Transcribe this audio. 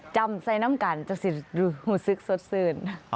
จำใส่น้ำกันจนรู้สึกสดซื่น